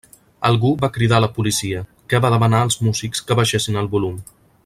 Algú va cridar a la policia, què va demanar els músics que baixessin el volum.